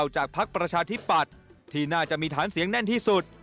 พักประชาธิปัตย์ที่น่าจะมีฐานเสียงแน่นที่สุด